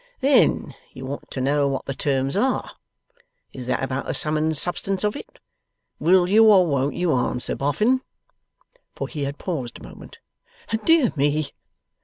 Then you want to know what the terms are. Is that about the sum and substance of it? Will you or won't you answer, Boffin?' For he had paused a moment. 'Dear me!